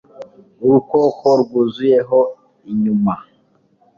urukoko rwuzuye ho inyuma